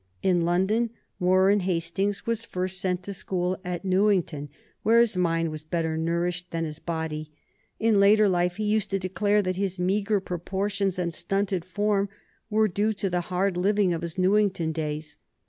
In London Warren Hastings was first sent to school at Newington, where his mind was better nourished than his body. In after life he used to declare that his meagre proportions and stunted form were due to the hard living of his Newington days.